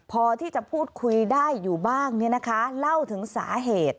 พอที่จะพูดคุยได้อยู่บ้างเล่าถึงสาเหตุ